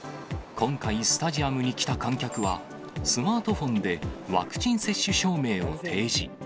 今回、スタジアムに来た観客は、スマートフォンでワクチン接種証明を提示。